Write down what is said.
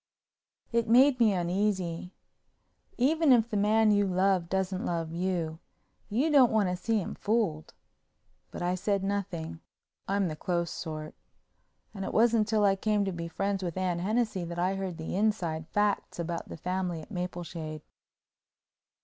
It made me uneasy. Even if the man you love doesn't love you, you don't want to see him fooled. But I said nothing—I'm the close sort—and it wasn't till I came to be friends with Anne Hennessey that I heard the inside facts about the family at Mapleshade.